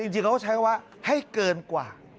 จริงเขาก็ใช้คำว่าให้เกินกว่า